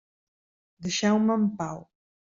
Deixeu-me en pau!